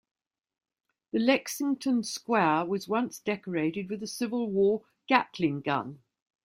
The Lexington Square was once decorated with a Civil War Gatling gun.